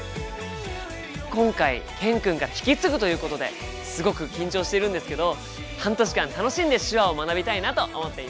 今回健君から引き継ぐということですごく緊張しているんですけど半年間楽しんで手話を学びたいなと思っています。